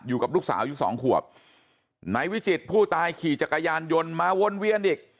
อยู่กับลูกสาวอยู่สองขวบนายวิจิตรผู้ตายขี่จักรยานยนต์มาวนเวียนอีก